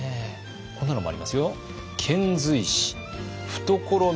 こんなのもありますよ。